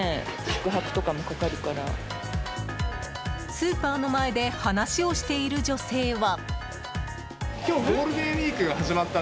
スーパーの前で話をしている女性は。